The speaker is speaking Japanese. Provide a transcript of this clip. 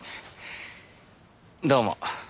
どうも。